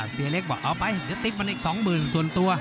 เสียเล็กบอกเอาไปเดี๋ยวติ๊กมันอีก๒๐๐๐ส่วนตัว